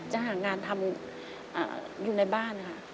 จะหางานทำอยู่ในบ้านค่ะ